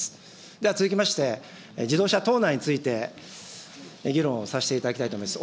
では続きまして、自動車盗難について議論をさせていただきたいと思います。